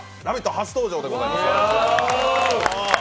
初登場でございます。